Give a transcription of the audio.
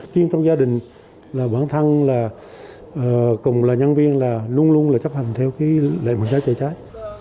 chuyên trong gia đình là bản thân là cùng là nhân viên là luôn luôn là chấp hành theo lệnh phòng trái chữa trái